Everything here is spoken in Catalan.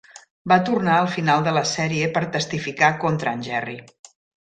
Va tornar al final de la sèrie per testifica contra en Jerry.